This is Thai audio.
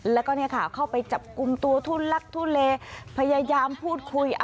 และก็เนี่ยค่ะเข้าไปจับกุมตัวทูและทูเลพยายามพูดคุย